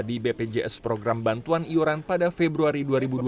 di bpjs program bantuan iuran pada februari dua ribu dua puluh